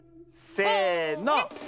せの。